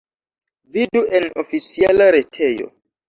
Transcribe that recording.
Vidu en oficiala retejo.